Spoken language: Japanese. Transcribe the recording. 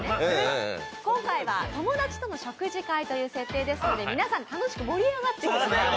今回は友達との食事会という設定ですので、皆さん、楽しく盛り上がってください。